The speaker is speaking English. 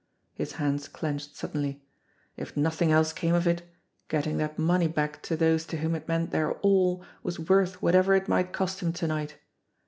His hands clenched suddenly. If nothing else came of it, getting that money back to those to whom it meant their all was worth whatever it might cost him to night.